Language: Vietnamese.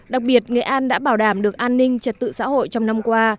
đặc biệt nghệ an đã bảo đảm được an ninh trật tự xã hội trong năm qua